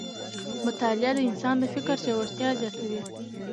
مطالعه د انسان د فکر ژورتیا زیاتوي